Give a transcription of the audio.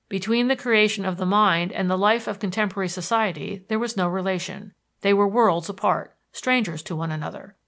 Between the creation of the mind and the life of contemporary society there was no relation; they were worlds apart, strangers to one another.